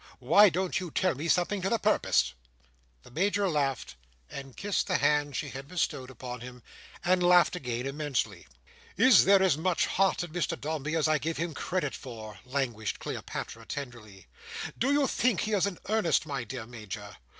Why don't you tell me something to the purpose?" The Major laughed, and kissed the hand she had bestowed upon him, and laughed again immensely. "Is there as much Heart in Mr Dombey as I gave him credit for?" languished Cleopatra tenderly. "Do you think he is in earnest, my dear Major?